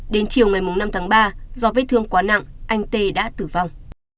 đến chiều ngày năm tháng ba do vết thương quá nặng anh tê đã tử vong